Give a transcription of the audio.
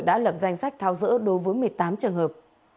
đã lập danh sách tháo rỡ đối với một mươi tám trường hợp